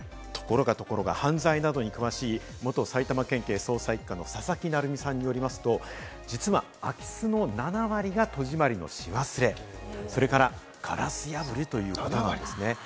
ところがところが、犯罪などに詳しい元埼玉県警捜査一課の佐々木成三さんによりますと、空き巣の７割が戸締りのし忘れ、それからガラス破りということなんです。